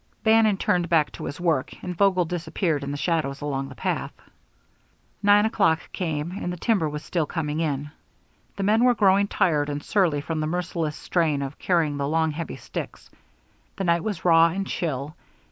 Bannon turned back to his work; and Vogel disappeared in the shadows along the path. Nine o'clock came, and the timber was still coming in. The men were growing tired and surly from the merciless strain of carrying the long, heavy sticks. The night was raw and chill.